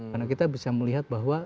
karena kita bisa melihat bahwa